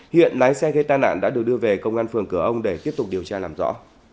hiện lái xe gây tai nạn đã được đưa về công an phường cửa ông để tiếp tục điều tra làm rõ